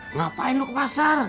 ngapain lu ke pasar